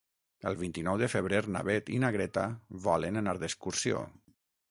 El vint-i-nou de febrer na Beth i na Greta volen anar d'excursió.